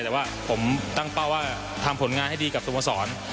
แต่ว่าผมตั้งเป้าว่าทำผลงานให้ดีกับสโมสร